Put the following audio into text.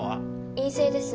陰性です。